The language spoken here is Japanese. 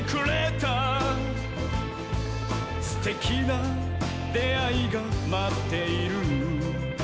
「すてきなであいがまっている」